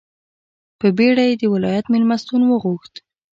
په بېړه یې د ولایت مېلمستون وغوښت.